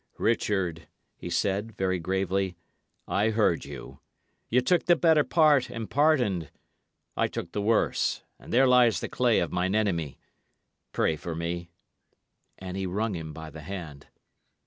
"Richard," he said, very gravely, "I heard you. Ye took the better part and pardoned; I took the worse, and there lies the clay of mine enemy. Pray for me." And he wrung him by the hand.